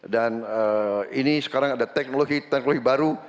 dan ini sekarang ada teknologi teknologi baru